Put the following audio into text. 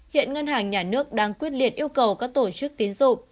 hiện ngân hàng nhà nước đang quyết liệt yêu cầu các tổ chức tín dụng